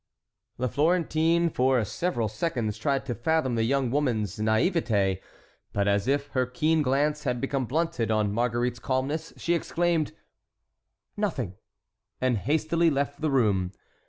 "— The Florentine for several seconds tried to fathom the young woman's naïveté; but as if her keen glance had become blunted on Marguerite's calmness, she exclaimed, "Nothing," and hastily left the room.